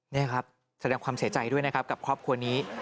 นี่ครับแสดงความเสียใจด้วยนะครับกับครอบครัวนี้